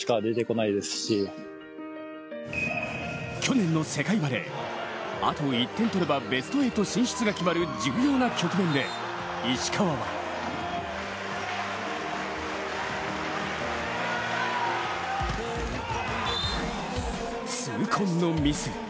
去年の世界バレー、あと１点とればベスト８進出が決まる重要な局面で石川は痛恨のミス。